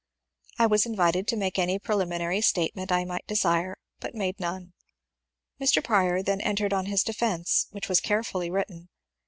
I was invited to make any preliminary statement I might desire, but made none. Mr. Prior then entered on his defence, which was care fully written.